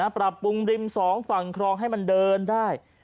ปรับปรุงริมสองฝั่งครองให้มันเดินได้